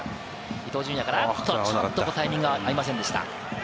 伊東純也からちょっとタイミングが合いませんでした。